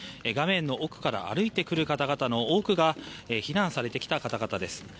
画面の奥から歩いてくる方々の多くが避難されてきた方々です。